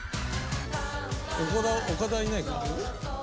岡田はいないか。